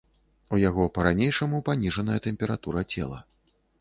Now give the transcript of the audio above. У яго па-ранейшаму паніжаная тэмпература цела.